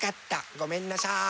ごめんなさい。